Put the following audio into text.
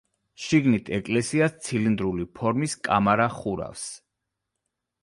შიგნით ეკლესიას ცილინდრული ფორმის კამარა ხურავს.